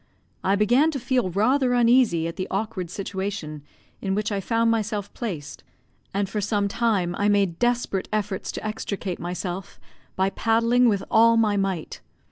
I began to feel rather uneasy at the awkward situation in which I found myself placed, and for some time I made desperate efforts to extricate myself, by paddling with all my might.